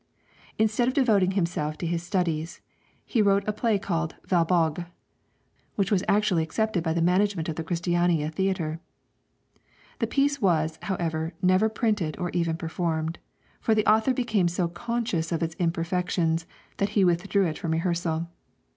Instead of devoting himself to his studies, he wrote a play called 'Valborg,' which was actually accepted by the management of the Christiania Theatre. The piece was, however, never printed or even performed; for the author became so conscious of its imperfections that he withdrew it from rehearsal.